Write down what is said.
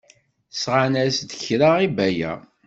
Sɣan-as-d kra i Baya.